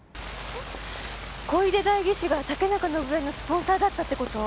小出代議士が竹中伸枝のスポンサーだったって事？